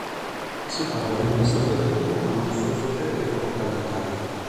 Si parla di amministratore unico quando un solo soggetto ricopre tale incarico.